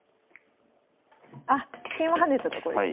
あっ桂馬跳ねたとこですね？